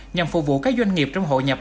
nhằm phục vụ các doanh nghiệp trong hội nhập